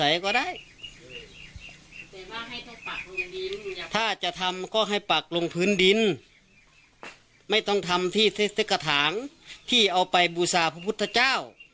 ไส้เต็ก็ถ่างที่เอาไปบุษาพระพุทธเจ้า